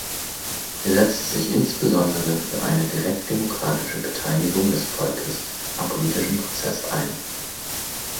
Sie setzte sich insbesondere für eine direktdemokratische Beteiligung des Volkes am politischen Prozess ein.